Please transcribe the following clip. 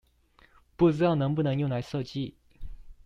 不知道能不能用來設計？